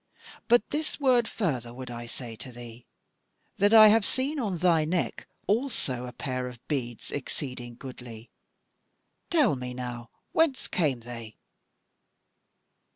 But this word further would I say to thee, that I have seen on thy neck also a pair of beads exceeding goodly. Tell me now whence came they."